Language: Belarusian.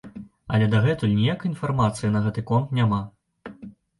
Але дагэтуль ніякай інфармацыі на гэты конт няма.